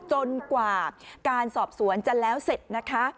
จนกว่าการสอบสวนจะแล้วเสร็จนะคะ